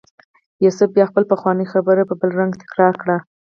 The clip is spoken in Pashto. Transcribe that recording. یوسف بیا خپله پخوانۍ خبره په بل رنګ تکرار کړه.